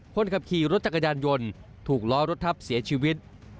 คนขับขี่รถจักรยานยนต์ถูกล้อรถทับเสียชีวิต